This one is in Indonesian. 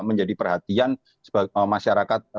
menjadi perhatian masyarakat